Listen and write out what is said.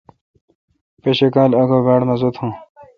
پشکال اگو باڑ مزہ تھون۔